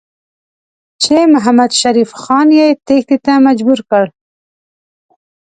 چې محمدشریف خان یې تېښتې ته مجبور کړ.